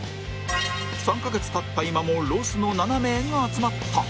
３カ月経った今もロスの７名が集まった